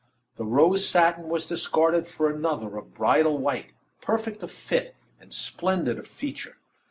The rose satin was discarded for another of bridal white, perfect of fit, and splendid of feature.